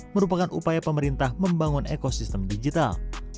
merupakan upaya pemerintah membangun ekosistem digital